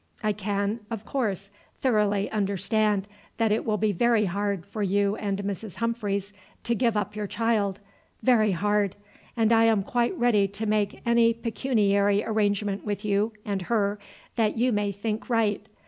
I can, of course, thoroughly understand that it will be very hard for you and Mrs. Humphreys to give up your child. Very hard. And I am quite ready to make any pecuniary arrangement with you and her that you may think right.